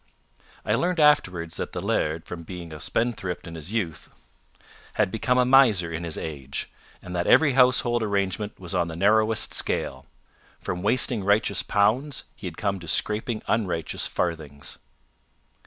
I learned afterwards that the laird, from being a spendthrift in his youth, had become a miser in his age, and that every household arrangement was on the narrowest scale. From wasting righteous pounds, he had come to scraping unrighteous farthings.